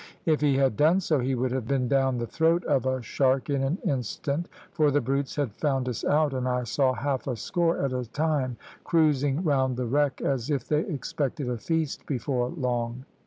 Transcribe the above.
If he had done so he would have been down the throat of a shark in an instant, for the brutes had found us out, and I saw half a score at a time cruising round the wreck as if they expected a feast before long.